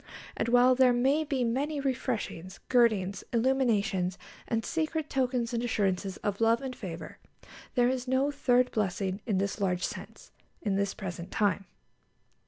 And while there may be many refreshings, girdings, illuminations, and secret tokens and assurances of love and favour, there is no third blessing in this large sense, in this present time.